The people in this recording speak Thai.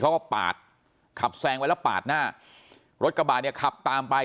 เขาก็ปาดขับแซงไว้แล้วปาดหน้ารถกระบาดเนี่ยขับตามไป